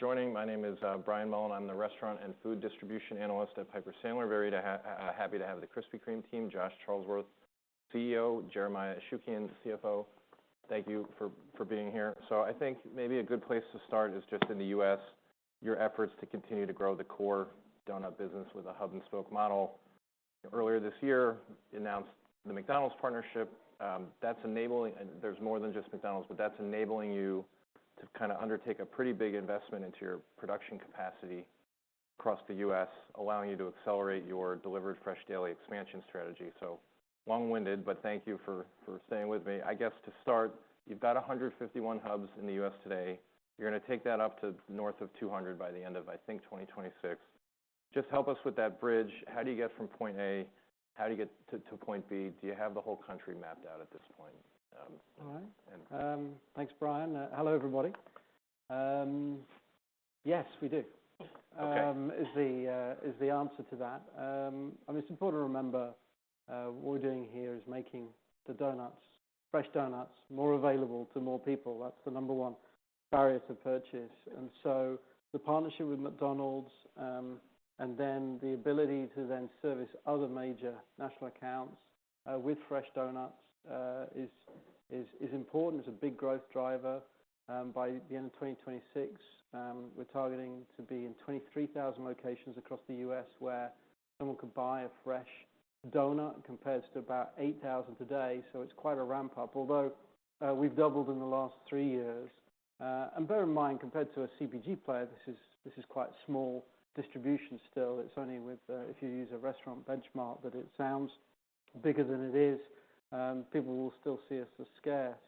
Joining. My name is Brian Mullan. I'm the Restaurant and Food Distribution Analyst at Piper Sandler. Very happy to have the Krispy Kreme team, Josh Charlesworth, CEO, Jeremiah Ashukian, CFO. Thank you for being here. I think maybe a good place to start is just in the U.S., your efforts to continue to grow the core donut business with a hub-and-spoke model. Earlier this year, you announced the McDonald's partnership. That's enabling. There's more than just McDonald's, but that's enabling you to kind of undertake a pretty big investment into your production capacity across the U.S., allowing you to accelerate your Delivered Fresh Daily expansion strategy. Long-winded, but thank you for staying with me. I guess to start, you've got 151 hubs in the U.S. today. You're gonna take that up to north of two hundred by the end of, I think, 2026. Just help us with that bridge. How do you get from point A, how do you get to point B? Do you have the whole country mapped out at this point? All right. Thanks, Brian. Hello, everybody. Yes, we do. Okay. I mean, it's important to remember what we're doing here is making the donuts, fresh donuts, more available to more people. That's the number one barrier to purchase. And so the partnership with McDonald's and then the ability to then service other major national accounts with fresh donuts is important. It's a big growth driver. By the end of 2026, we're targeting to be in 23,000 locations across the U.S., where someone could buy a fresh donut, compared to about 8,000 today. So it's quite a ramp-up, although we've doubled in the last three years. And bear in mind, compared to a CPG player, this is quite a small distribution still. It's only with, if you use a restaurant benchmark, that it sounds bigger than it is. People will still see us as scarce.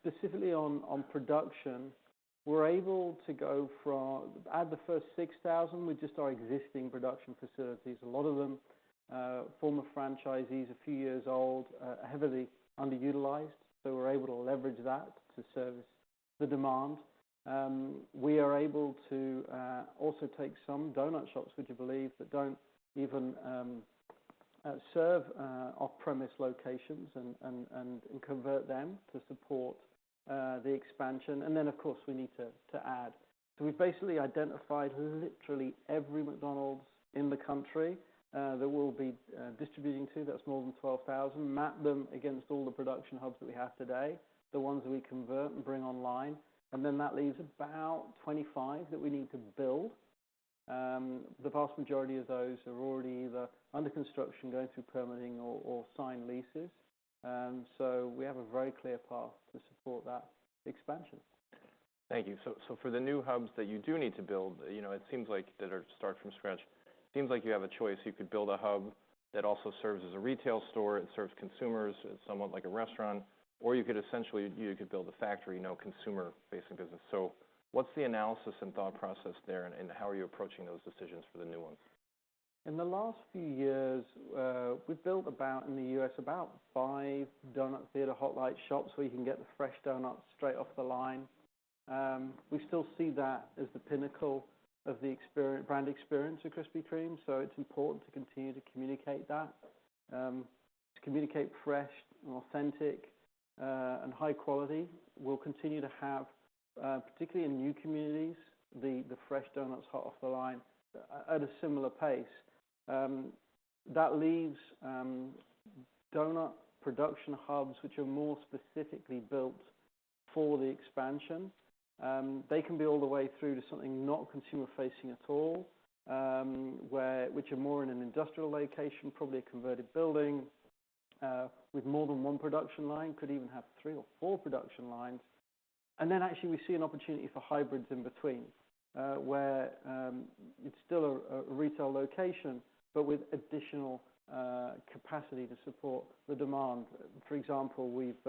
Specifically on production, we're able to add the first 6,000 with just our existing production facilities, a lot of them former franchisees, a few years old, heavily underutilized. So we're able to leverage that to service the demand. We are able to also take some donut shops, would you believe, that don't even serve off-premise locations and convert them to support the expansion. And then, of course, we need to add. So we basically identified literally every McDonald's in the country that we'll be distributing to. That's more than 12,000, mapped them against all the production hubs that we have today, the ones that we convert and bring online, and then that leaves about 25 that we need to build. The vast majority of those are already either under construction, going through permitting or signed leases, and so we have a very clear path to support that expansion. Thank you. For the new hubs that you do need to build, you know, it seems like they are starting from scratch. It seems like you have a choice: you could build a hub that also serves as a retail store, it serves consumers, it's somewhat like a restaurant, or you could essentially build a factory, no consumer-facing business. So what's the analysis and thought process there, and how are you approaching those decisions for the new ones? In the last few years, we've built about, in the U.S., about five Donut Theater Hot Light shops, where you can get the fresh donuts straight off the line. We still see that as the pinnacle of the experience, brand experience at Krispy Kreme, so it's important to continue to communicate that. To communicate fresh and authentic, and high quality, we'll continue to have, particularly in new communities, the fresh donuts hot off the line at a similar pace. That leaves, donut production hubs, which are more specifically built for the expansion. They can be all the way through to something not consumer-facing at all, which are more in an industrial location, probably a converted building, with more than one production line, could even have three or four production lines. And then actually, we see an opportunity for hybrids in between, where it's still a retail location, but with additional capacity to support the demand. For example, we've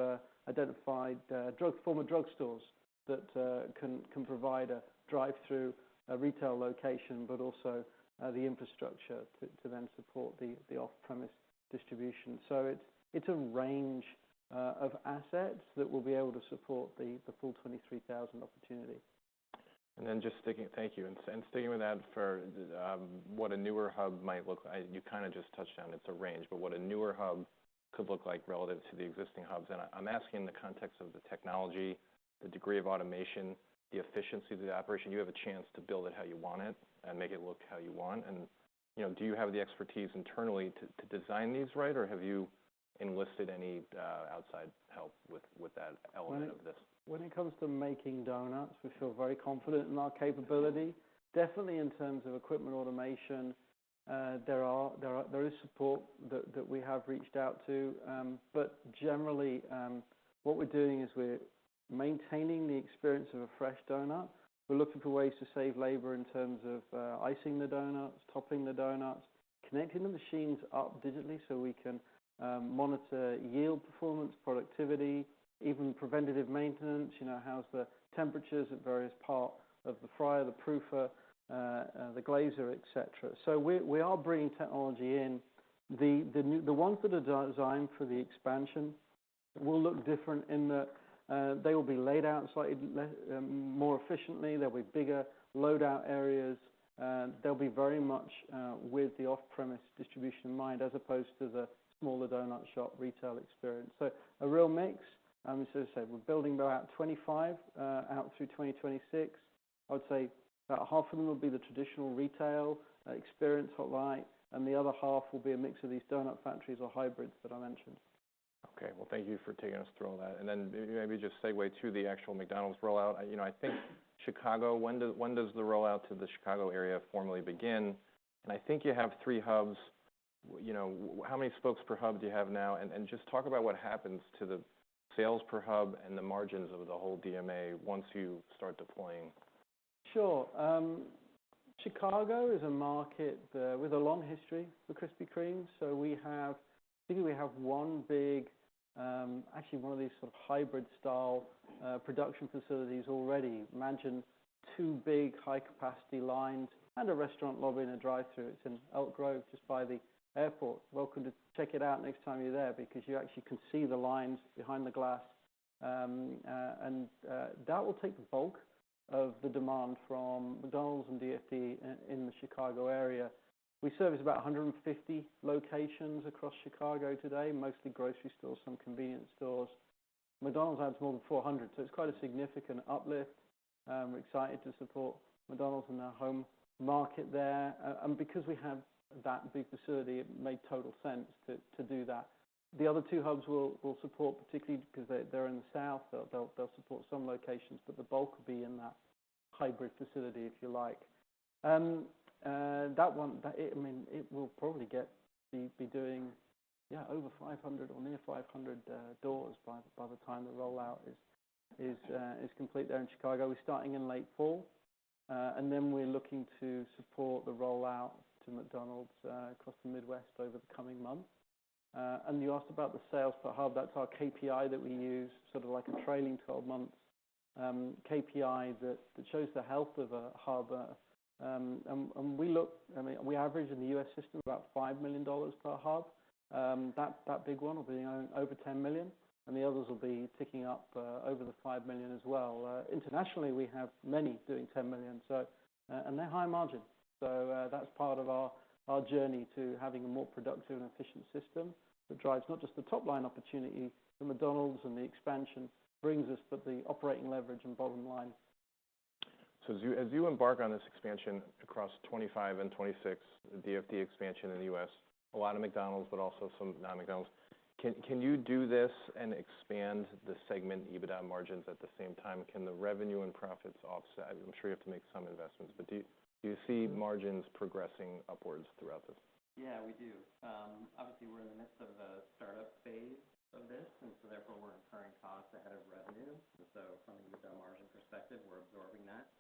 identified former drugstores that can provide a drive-through retail location, but also the infrastructure to then support the off-premise distribution. So it's a range of assets that will be able to support the full 23,000 opportunity. And then just sticking, thank you. Sticking with that for what a newer hub might look like, you kind of just touched on, it's a range, but what a newer hub could look like relative to the existing hubs. And I'm asking in the context of the technology, the degree of automation, the efficiency of the operation. You have a chance to build it how you want it and make it look how you want. And you know, do you have the expertise internally to design these right, or have you enlisted any outside help with that element of this? When it comes to making donuts, we feel very confident in our capability. Definitely, in terms of equipment automation, there is support that we have reached out to. But generally, what we're doing is we're maintaining the experience of a fresh donut. We're looking for ways to save labor in terms of icing the donuts, topping the donuts, connecting the machines up digitally, so we can monitor yield, performance, productivity, even preventative maintenance. You know, how's the temperatures at various part of the fryer, the proofer, the glazer, et cetera. So we are bringing technology in. The new ones that are designed for the expansion will look different in that they will be laid out slightly more efficiently. There'll be bigger load-out areas, and they'll be very much with the off-premise distribution in mind, as opposed to the smaller donut shop retail experience, so a real mix, as I said, we're building about 2025 out through 2026. I would say about half of them will be the traditional retail experience, outright, and the other half will be a mix of these donut factories or hybrids that I mentioned. Okay, well, thank you for taking us through all that. And then maybe, maybe just segue to the actual McDonald's rollout. You know, I think Chicago, when does the rollout to the Chicago area formally begin? And I think you have three hubs. You know, how many spokes per hub do you have now? And just talk about what happens to the sales per hub and the margins of the whole DMA once you start deploying. Sure. Chicago is a market with a long history for Krispy Kreme. So we have, I think, actually, one of these sort of hybrid style production facilities already. Imagine two big, high-capacity lines and a restaurant lobby and a drive-thru. It's in Elk Grove, just by the airport. Welcome to check it out next time you're there, because you actually can see the lines behind the glass. That will take the bulk of the demand from McDonald's and DFD in the Chicago area. We service about 150 locations across Chicago today, mostly grocery stores, some convenience stores. McDonald's has more than 400, so it's quite a significant uplift. We're excited to support McDonald's in their home market there. And because we have that big facility, it made total sense to do that. The other two hubs will support, particularly because they're in the south. They'll support some locations, but the bulk will be in that hybrid facility, if you like. That one, I mean, it will probably be doing over 500 or near 500 doors by the time the rollout is complete there in Chicago. We're starting in late fall, and then we're looking to support the rollout to McDonald's across the Midwest over the coming months. And you asked about the sales per hub. That's our KPI that we use, sort of like a trailing twelve-month KPI that shows the health of a hub. I mean, we average in the U.S. system about $5 million per hub. That big one will be over $10 million, and the others will be ticking up over the $5 million as well. Internationally, we have many doing $10 million, so... And they're high margin. So, that's part of our journey to having a more productive and efficient system, that drives not just the top-line opportunity for McDonald's and the expansion brings us, but the operating leverage and bottom line. As you embark on this expansion across 2025 and 2026, the DFD expansion in the U.S., a lot of McDonald's, but also some non-McDonald's. Can you do this and expand the segment EBITDA margins at the same time? Can the revenue and profits offset? I'm sure you have to make some investments, but do you see margins progressing upwards throughout this? Yeah, we do. Obviously, we're in the midst of a startup phase of this, and so therefore, we're incurring costs ahead of revenues, and so from an EBITDA margin perspective, we're absorbing that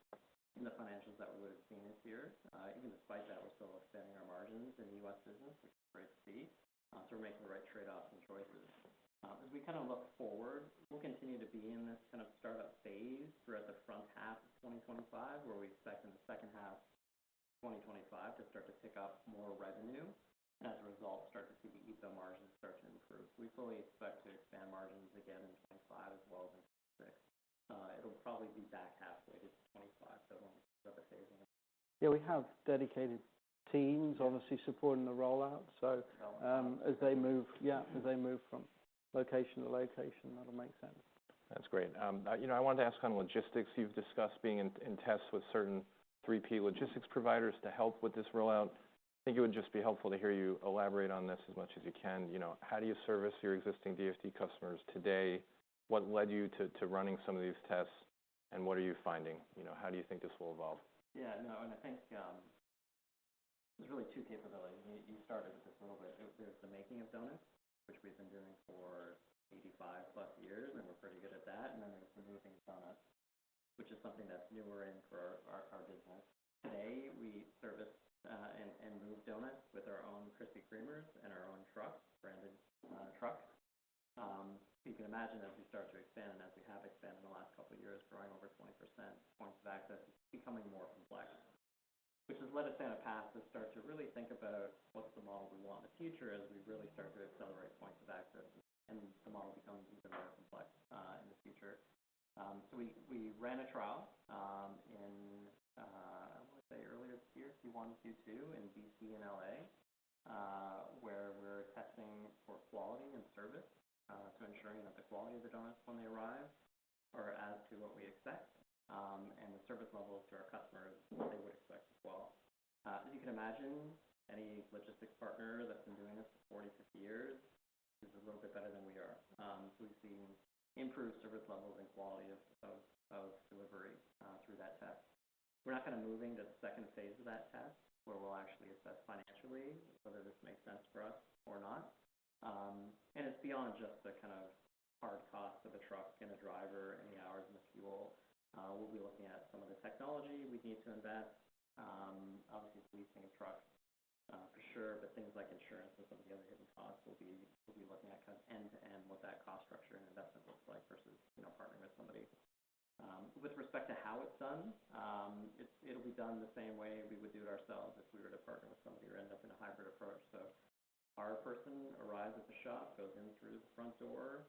in the financials that we would have seen this year. Even despite that, we're still expanding our margins in the U.S. business, which is great to see, so we're making the right trade-offs and choices. As we kind of look forward, we'll continue to be in this kind of startup phase throughout the front half of 2025, where we expect in the second half of 2025 to start to pick up more revenue, and as a result, start to see the EBITDA margins start to improve. We fully expect to expand margins again in 2025 as well as in 2026. It'll probably be back halfway to 2025 so. Yeah, we have dedicated teams, obviously, supporting the rollout, so as they move from location to location, that'll make sense. That's great. You know, I wanted to ask on logistics. You've discussed being in tests with certain third-party logistics providers to help with this rollout. I think it would just be helpful to hear you elaborate on this as much as you can. You know, how do you service your existing DFD customers today? What led you to running some of these tests, and what are you finding? You know, how do you think this will evolve? Yeah. No, and I think, there's really two capabilities. You started this a little bit. There's the making of doughnuts, which we've been doing for 85+ years, and we're pretty good at that. And then there's the moving of doughnuts, which is something that's newer for our business. Today, we service and move doughnuts with our own Krispy Kremers and our own trucks, branded trucks. You can imagine as we start to expand and as we have expanded in the last couple of years, growing over 20 percentage points of access, it's becoming more complex. Which has led us down a path to start to really think about what's the model we want in the future, as we really start to accelerate points of access, and the model becomes even more complex in the future. We ran a trial in, I would say, earlier this year, Q1, Q2, in D.C. and L.A., where we're testing for quality and service. Ensuring that the quality of the donuts when they arrive are as to what we expect, and the service levels to our customers, what they would expect as well. As you can imagine, any logistics partner that's been doing this for 40, 50 years is a little bit better than we are. We've seen improved service levels and quality of delivery through that test. We're now kind of moving to the second phase of that test, where we'll actually assess financially whether this makes sense for us or not. It's beyond just the kind of hard cost of a truck and a driver and the hours and the fuel. We'll be looking at some of the technology we need to invest. Obviously, leasing a truck, for sure, but things like insurance and some of the other hidden costs will be, we'll be looking at kind of end-to-end, what that cost structure and investment looks like versus, you know, partnering with somebody. With respect to how it's done, it'll be done the same way we would do it ourselves if we were to partner with somebody. We end up in a hybrid approach. Our person arrives at the shop, goes in through the front door,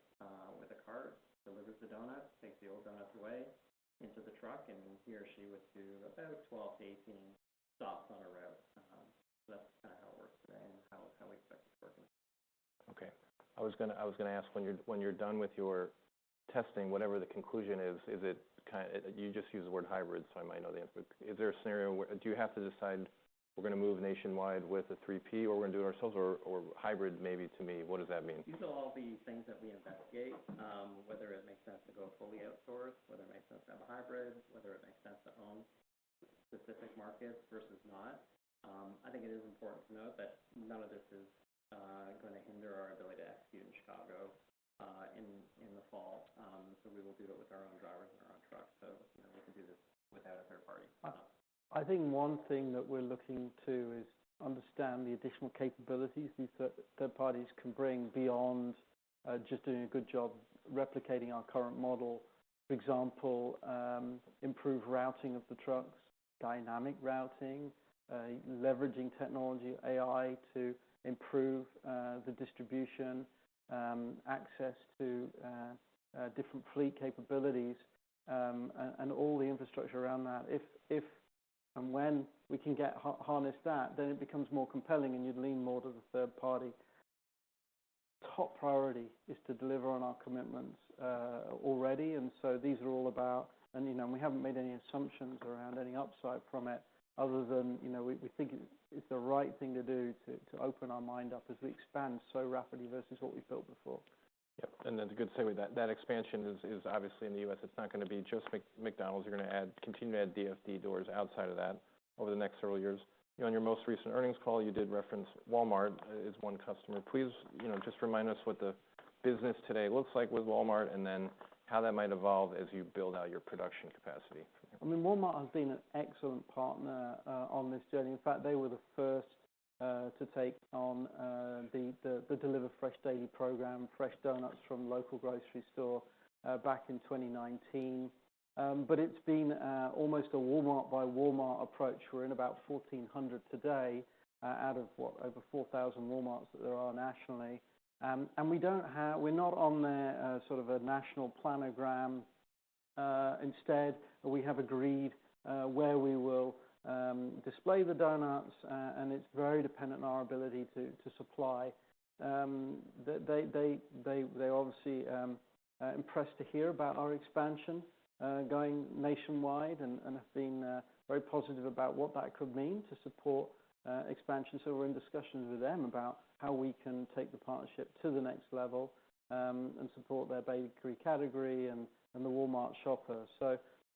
with a cart, delivers the donuts, takes the old donuts away into the truck, and he or she would do about 12-18 stops on a route. So that's- Okay. I was gonna ask, when you're done with your testing, whatever the conclusion is, you just used the word hybrid, so I might know the answer, but is there a scenario where you have to decide we're gonna move nationwide with a 3P, or we're gonna do it ourselves, or hybrid? Maybe to me, what does that mean? These are all the things that we investigate, whether it makes sense to go fully outsourced, whether it makes sense to have a hybrid, whether it makes sense to own specific markets versus not. I think it is important to note that none of this is going to hinder our ability to execute in Chicago, in the fall. So we will do that with our own drivers and our own trucks, so, you know, we can do this without a third party. I think one thing that we're looking to is understand the additional capabilities these third parties can bring beyond just doing a good job replicating our current model. For example, improve routing of the trucks, dynamic routing, leveraging technology, AI, to improve the distribution, access to different fleet capabilities, and all the infrastructure around that. If and when we can get harness that, then it becomes more compelling, and you'd lean more to the third party. Top priority is to deliver on our commitments already, and so these are all about. And you know, we haven't made any assumptions around any upside from it other than you know, we think it, it's the right thing to do, to open our mind up as we expand so rapidly versus what we've built before. Yep, and that's a good segue. That expansion is obviously in the U.S. It's not gonna be just McDonald's. You're gonna add, continue to add DFD doors outside of that over the next several years. On your most recent earnings call, you did reference Walmart as one customer. Please, you know, just remind us what the business today looks like with Walmart, and then how that might evolve as you build out your production capacity. I mean, Walmart has been an excellent partner on this journey. In fact, they were the first to take on the Delivered Fresh Daily program, fresh doughnuts from local grocery store back in 2019, but it's been almost a Walmart-by-Walmart approach. We're in about 1,400 today out of what? Over 4,000 Walmarts that there are nationally, and we don't have. We're not on their sort of a national planogram. Instead, we have agreed where we will display the doughnuts, and it's very dependent on our ability to supply. They obviously impressed to hear about our expansion going nationwide and have been very positive about what that could mean to support expansion. So we're in discussions with them about how we can take the partnership to the next level and support their bakery category and the Walmart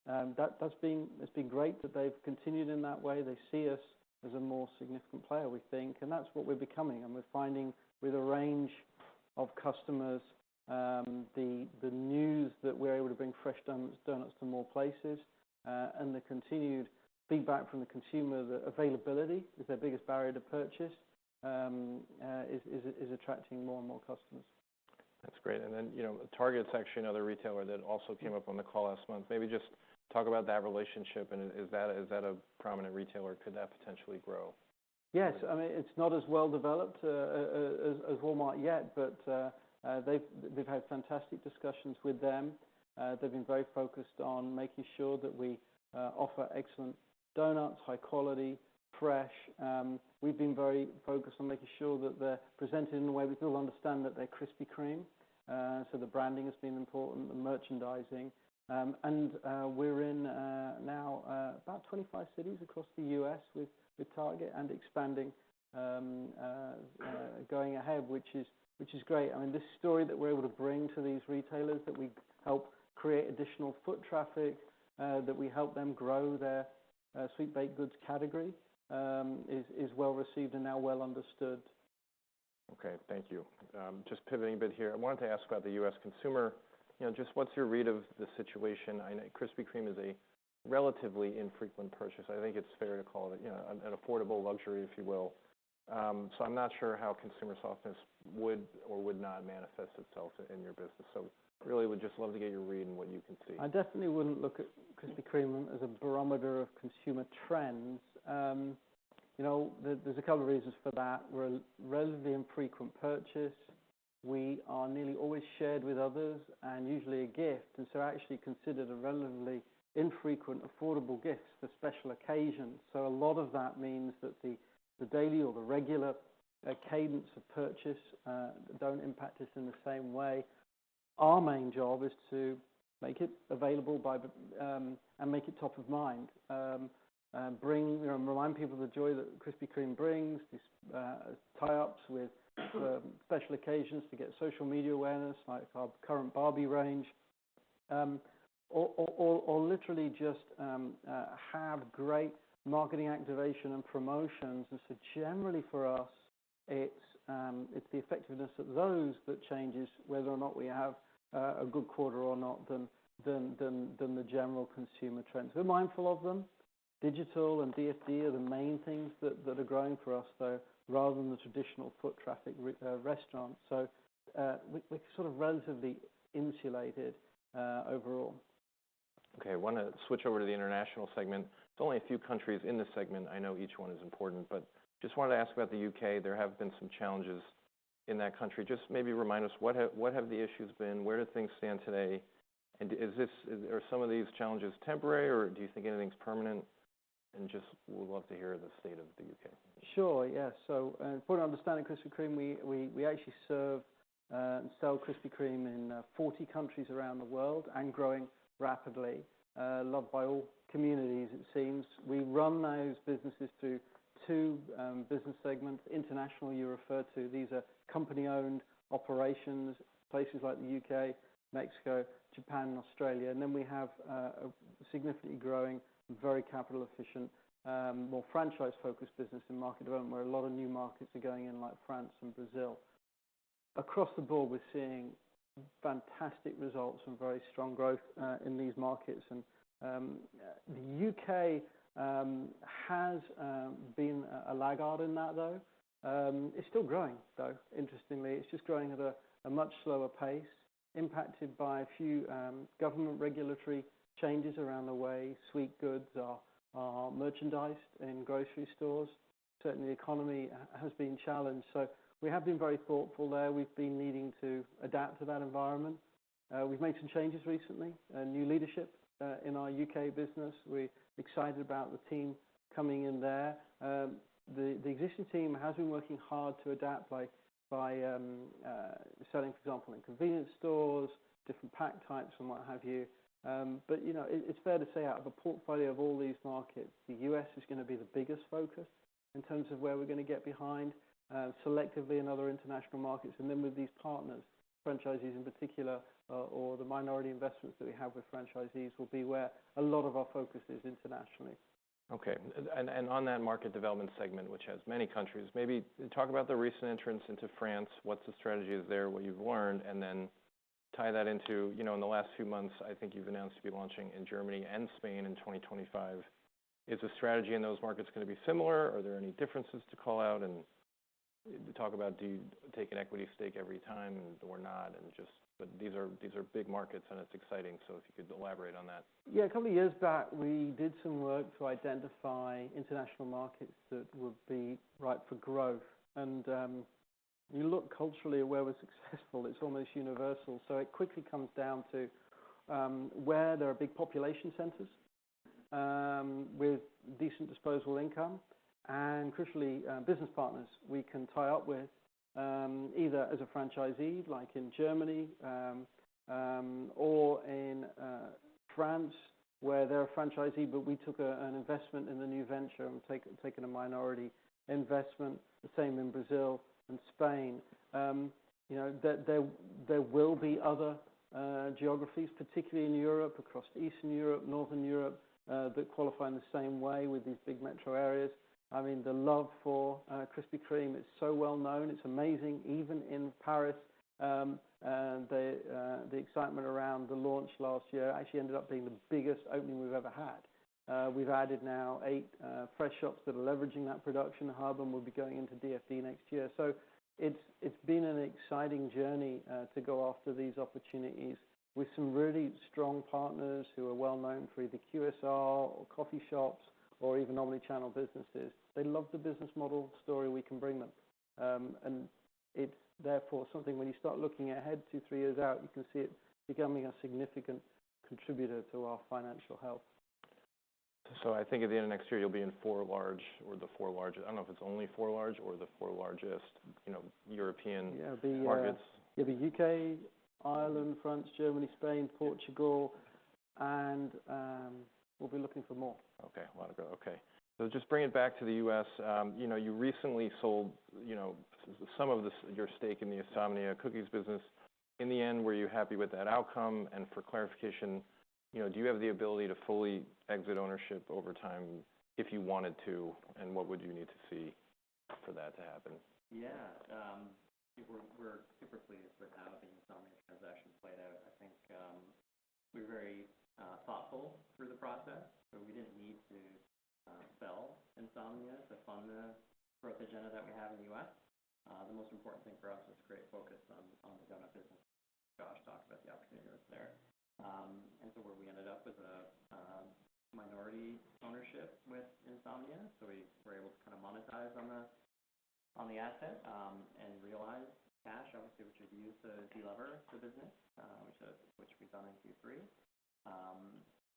shopper. That's been great that they've continued in that way. They see us as a more significant player, we think, and that's what we're becoming, and we're finding with a range of customers the news that we're able to bring fresh doughnuts to more places and the continued feedback from the consumer. The availability is their biggest barrier to purchase is attracting more and more customers. That's great. And then, you know, Target's actually another retailer that also came up on the call last month. Maybe just talk about that relationship, and is that, is that a prominent retailer? Could that potentially grow? Yes. I mean, it's not as well developed as Walmart yet, but we've had fantastic discussions with them. They've been very focused on making sure that we offer excellent doughnuts, high quality, fresh. We've been very focused on making sure that they're presented in a way that people understand that they're Krispy Kreme. So the branding has been important, the merchandising. And we're now in about 25 cities across the U.S. with Target and expanding going ahead, which is great. I mean, this story that we're able to bring to these retailers, that we help create additional foot traffic, that we help them grow their sweet baked goods category is well received and now well understood. Okay, thank you. Just pivoting a bit here. I wanted to ask about the U.S. consumer. You know, just what's your read of the situation? I know Krispy Kreme is a relatively infrequent purchase. I think it's fair to call it, you know, an affordable luxury, if you will. So I'm not sure how consumer softness would or would not manifest itself in your business. So really would just love to get your read on what you can see. I definitely wouldn't look at Krispy Kreme as a barometer of consumer trends. You know, there, there's a couple reasons for that. We're a relatively infrequent purchase. We are nearly always shared with others and usually a gift, and so actually considered a relatively infrequent, affordable gift for special occasions. So a lot of that means that the daily or the regular cadence of purchase don't impact us in the same way. Our main job is to make it available by the... And make it top of mind. Bring, you know, remind people of the joy that Krispy Kreme brings, these tie-ups with special occasions to get social media awareness, like our current Barbie range. Or literally just have great marketing activation and promotions. Generally for us, it's the effectiveness of those that changes whether or not we have a good quarter or not, than the general consumer trends. We're mindful of them. Digital and DSD are the main things that are growing for us, though, rather than the traditional foot traffic restaurant. We're sort of relatively insulated overall. Okay, I want to switch over to the International segment. There's only a few countries in this segment. I know each one is important, but just wanted to ask about the U.K. There have been some challenges in that country. Just maybe remind us, what have the issues been? Where do things stand today? And is this, are some of these challenges temporary, or do you think anything's permanent and just would love to hear the state of the U.K. Sure, yeah. So, for understanding Krispy Kreme, we actually serve and sell Krispy Kreme in 40 countries around the world, and growing rapidly. Loved by all communities, it seems. We run those businesses through two business segments. International, you refer to, these are company-owned operations, places like the U.K., Mexico, Japan, and Australia. And then we have a significantly growing, very capital efficient, more franchise-focused business in Market Development, where a lot of new markets are going in, like France and Brazil. Across the board, we're seeing fantastic results and very strong growth in these markets. The U.K. has been a laggard in that, though. It's still growing, though, interestingly. It's just growing at a much slower pace, impacted by a few government regulatory changes around the way sweet goods are merchandised in grocery stores. Certainly, the economy has been challenged. So we have been very thoughtful there. We've been needing to adapt to that environment. We've made some changes recently, and new leadership in our U.K. business. We're excited about the team coming in there. The existing team has been working hard to adapt by selling, for example, in convenience stores, different pack types and what have you. But, you know, it's fair to say, out of a portfolio of all these markets, the U.S. is gonna be the biggest focus in terms of where we're gonna get behind selectively in other international markets. And then with these partners, franchisees in particular, or the minority investments that we have with franchisees, will be where a lot of our focus is internationally. Okay. And on that Market Development segment, which has many countries, maybe talk about the recent entrance into France. What's the strategy there, what you've learned? And then tie that into, you know, in the last few months, I think you've announced to be launching in Germany and Spain in 2025. Is the strategy in those markets gonna be similar? Are there any differences to call out? And talk about, do you take an equity stake every time or not? And just... But these are big markets, and it's exciting. So if you could elaborate on that. Yeah. A couple of years back, we did some work to identify international markets that would be right for growth, and you look culturally at where we're successful. It's almost universal, so it quickly comes down to where there are big population centers with decent disposable income, and crucially, business partners we can tie up with, either as a franchisee, like in Germany, or in France, where they're a franchisee, but we took an investment in the new venture and have taken a minority investment. The same in Brazil and Spain. You know, there will be other geographies, particularly in Europe, across Eastern Europe, Northern Europe, that qualify in the same way with these big metro areas. I mean, the love for Krispy Kreme. It's so well known, it's amazing, even in Paris. And the excitement around the launch last year actually ended up being the biggest opening we've ever had. We've added now eight fresh shops that are leveraging that production hub, and we'll be going into DFD next year. So it's been an exciting journey to go after these opportunities with some really strong partners who are well known for either QSR or coffee shops or even omni-channel businesses. They love the business model story we can bring them. And it's therefore something when you start looking ahead two, three years out, you can see it becoming a significant contributor to our financial health. So I think at the end of next year, you'll be in four large or the four largest. I don't know if it's only four large or the four largest, you know, European markets. Yeah, the U.K., Ireland, France, Germany, Spain, Portugal, and we'll be looking for more. So just bring it back to the U.S. You know, you recently sold, you know, some of the, your stake in the Insomnia Cookies business. In the end, were you happy with that outcome? And for clarification, you know, do you have the ability to fully exit ownership over time if you wanted to, and what would you need to see for that to happen? Yeah. We're super pleased with how the Insomnia transaction played out. I think, we're very thoughtful through the process, so we didn't need to sell Insomnia to fund the growth agenda that we have in the U.S. The most important thing for us was to create focus on the donut business. Josh talked about the opportunity that's there. And so where we ended up with a minority ownership with Insomnia, so we were able to kind of monetize on the asset and realize cash, obviously, which is used to delever the business, which we've done in Q3.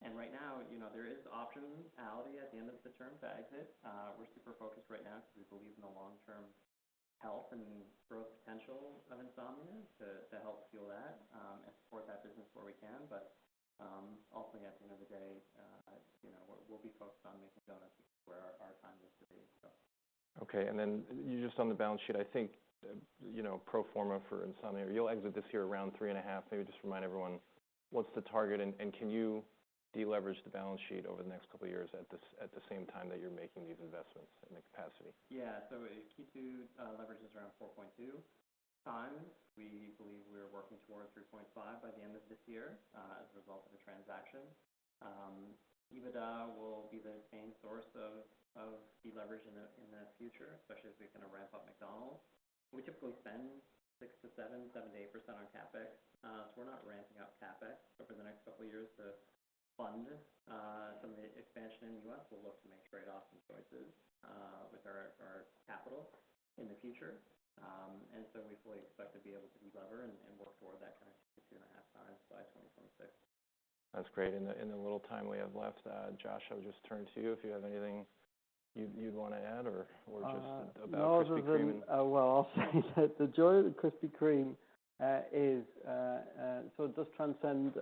And right now, you know, there is optionality at the end of the term to exit. We're super focused right now because we believe in the long-term health and growth potential of Insomnia to help fuel that and support that business where we can. But ultimately, at the end of the day, you know, we'll be focused on making donuts where our time is to be, so. Okay, and then just on the balance sheet, I think, you know, pro forma for Insomnia, you'll exit this year around three and a half. Maybe just remind everyone what's the target, and can you deleverage the balance sheet over the next couple of years at the same time that you're making these investments in the capacity? Yeah. So Q2, leverage is around 4.2x. We believe we are working towards 3.5x by the end of this year, as a result of the transaction. EBITDA will be the main source of deleverage in the future, especially as we kind of ramp up McDonald's. We typically spend 6%-8% on CapEx. So we're not ramping up CapEx, but for the next couple of years to fund some of the expansion in the U.S., we'll look to make trade-offs and choices with our capital in the future. And so we fully expect to be able to delever and work toward that kind of 2.5x by 2026. That's great. In the little time we have left, Josh, I'll just turn to you if you have anything you'd want to add or just about Krispy Kreme. I'll say that the joy of Krispy Kreme is so it does transcend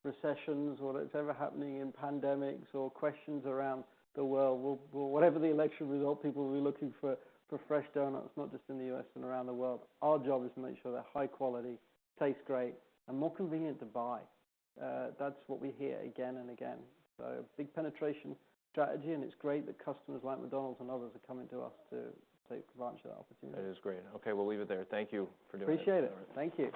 whatever is happening in recessions, whatever is ever happening in pandemics or questions around the world. Whatever the election result, people will be looking for fresh donuts, not just in the U.S. and around the world. Our job is to make sure they're high quality, taste great, and more convenient to buy. That's what we hear again and again. So big penetration strategy, and it's great that customers like McDonald's and others are coming to us to take advantage of that opportunity. That is great. Okay, we'll leave it there. Thank you for doing this. Appreciate it. Thank you.